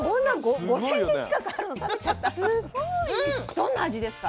どんな味ですか？